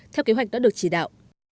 theo kế hoạch đã được chỉ đạo